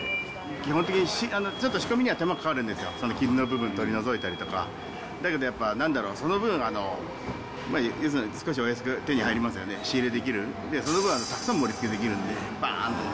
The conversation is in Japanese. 基本的に仕込みには手間かかるんですよ、その傷の部分取り除いたりとか、だけどやっぱり、なんだろう、その分、要するに少しお安く手に入りますよね、その分たくさん盛りつけできるんで、ばーんと。